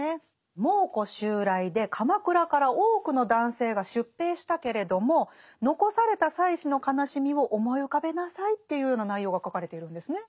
蒙古襲来で鎌倉から多くの男性が出兵したけれども残された妻子の悲しみを思い浮かべなさいというような内容が書かれているんですね。